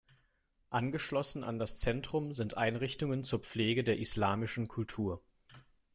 Angeschlossen an das Zentrum sind Einrichtungen zur Pflege der islamischen Kultur.